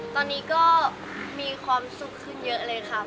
ตอนนี้ก็มีความสุขขึ้นเยอะเลยค่ะ